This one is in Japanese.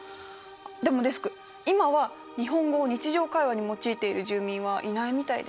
でもデスク今は日本語を日常会話に用いている住民はいないみたいです。